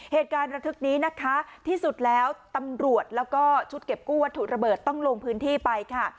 เหตุการณ์ระทึกนี้นะคะที่สุดแล้วตำรวจแล้วก็ชุดเก็บกู้วัตถุระเบิดต้องลงพื้นที่ไปค่ะ